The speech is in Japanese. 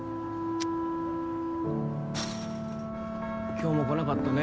今日も来なかったね